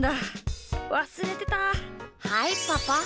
はいパパ。